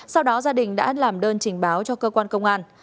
sau đó gia đình đã làm đơn trình báo cho cơ quan công an